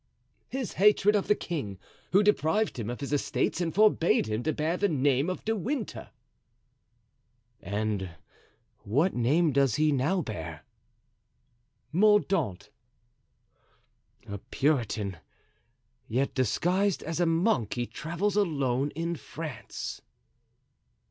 "His hatred of the king, who deprived him of his estates and forbade him to bear the name of De Winter." "And what name does he now bear?" "Mordaunt." "A Puritan, yet disguised as a monk he travels alone in France."